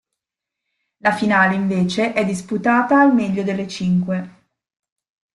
La finale, invece, è disputata al meglio delle cinque.